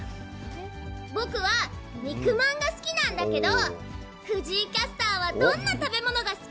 僕は肉まんが好きなんだけど、藤井キャスターはどんな食べ物が好き？